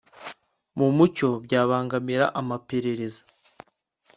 Mu mucyo byabangamira amaperereza